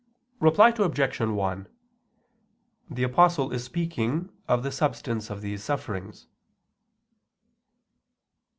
Reply Obj. 1: The Apostle is speaking of the substance of these sufferings.